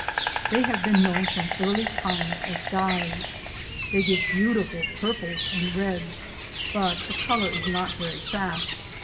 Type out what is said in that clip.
They have been known from early times as dyes. They give beautiful purples and reds, but the colour is not very fast.